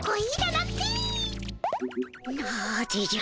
なぜじゃ。